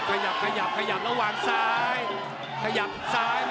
ตอบซ้ายขยับซ้าย